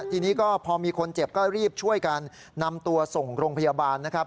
ทีนี้ก็พอมีคนเจ็บก็รีบช่วยกันนำตัวส่งโรงพยาบาลนะครับ